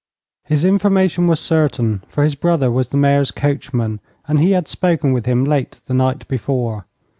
His information was certain, for his brother was the Mayor's coachman, and he had spoken with him late the night before.